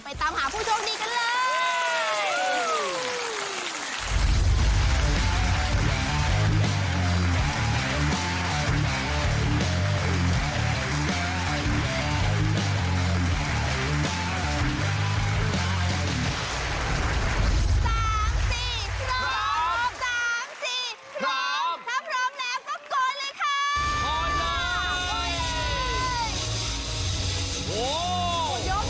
ตามหาผู้โชคดีกันเลย